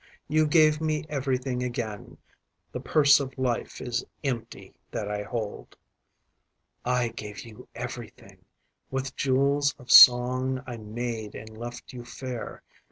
You gave me everything again—The purse of life is empty that I hold.I gave you everything:With jewels of song I made and left you fair.